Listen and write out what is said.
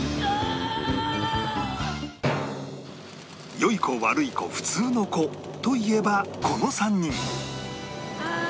良い子悪い子普通の子といえばこの３人